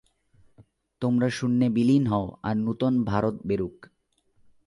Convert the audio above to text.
তোমরা শূন্যে বিলীন হও, আর নূতন ভারত বেরুক।